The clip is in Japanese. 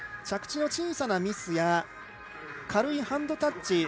着地の小さなミスや軽いハンドタッチ